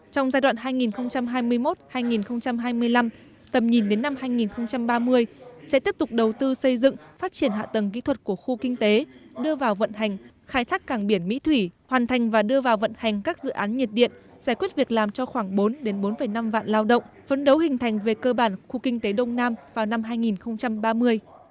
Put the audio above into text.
trong giai đoạn hai nghìn hai mươi một hai nghìn hai mươi năm tầm nhìn đến năm hai nghìn ba mươi sẽ tiếp tục đầu tư xây dựng phát triển hạ tầng kỹ thuật của khu kinh tế đưa vào vận hành khai thác càng biển mỹ thủy hoàn thành và đưa vào vận hành các dự án nhiệt điện giải quyết việc làm cho khoảng bốn bốn năm vạn lao động phấn đấu hình thành về cơ bản khu kinh tế đông nam vào năm hai nghìn ba mươi